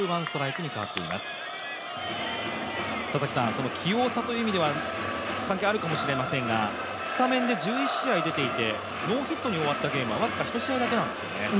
その器用さという意味では関係あるかもしれませんがスタメンで１１試合出ていてノーヒットに終わった試合は僅か１試合なんですよね。